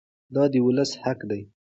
دا د ولس حق دی.